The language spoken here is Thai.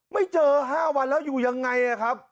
ไม่เจอ๕วันแล้วอยู่ยังไงครับ